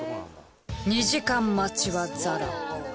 ２時間待ちはザラ。